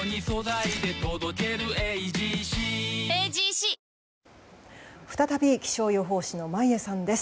新しくなった再び気象予報士の眞家さんです。